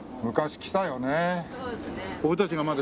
昔来たよね。